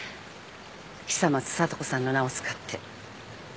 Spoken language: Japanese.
久松聡子さんの名を使って。